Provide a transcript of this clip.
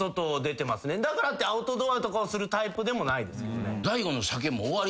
だからってアウトドアをするタイプでもないですけどね。